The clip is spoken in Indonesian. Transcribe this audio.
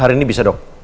hari ini bisa dok